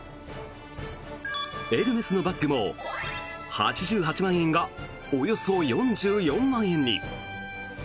エルメスのバッグも８８万円がおよそ４４万円に。